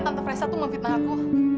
tante fresno itu memfitnah aku